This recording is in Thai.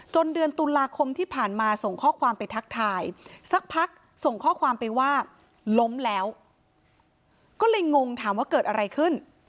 เดือนตุลาคมที่ผ่านมาส่งข้อความไปทักทายสักพักส่งข้อความไปว่าล้มแล้วก็งงถามว่าเกิดอะไรขึ้น